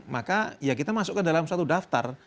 maka ya kita masukkan dalam suatu daftar